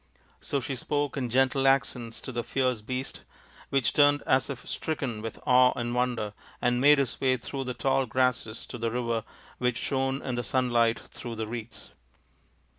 So she spoke in gentle accents to the fierce beast, which turned as if stricken with awe and wonder, and made his way through the tall grasses to the river, which shone in the sunlight through the reeds.